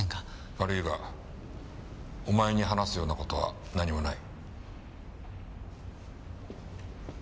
悪いがお前に話すような事は何もない。